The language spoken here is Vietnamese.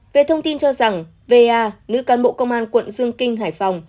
về thông tin cho rằng va nữ cán bộ công an quận dương kinh hải phòng